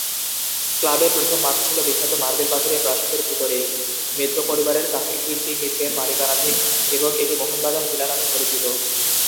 ক্লাবের প্রথম মাঠ ছিল বিখ্যাত মার্বেল পাথরের প্রাসাদের ভিতরে, মিত্র পরিবারের কীর্তি মিত্রের মালিকানাধীন এবং এটি মোহনবাগান ভিলা নামে পরিচিত।